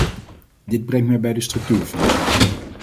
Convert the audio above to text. Dit brengt mij bij de structuurfondsen.